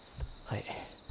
はい。